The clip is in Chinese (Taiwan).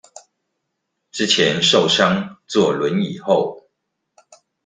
之前受傷坐輪椅後